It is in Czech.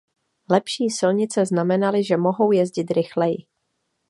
Lepší silnice znamenaly, že mohou jezdit rychleji.